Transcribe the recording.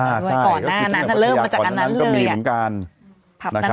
อ่าใช่ก่อนหน้านั้นเริ่มมาจากอันนั้นเลยอ่ะก็มีเหมือนกันนะครับ